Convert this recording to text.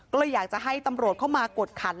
ก็เลยอยากจะให้ตำรวจเข้ามากดขัน